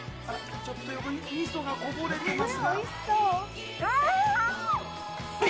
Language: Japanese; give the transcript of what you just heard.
ちょっと横にみそがこぼれてますが。